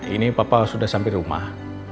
ini papa sudah sampai rumah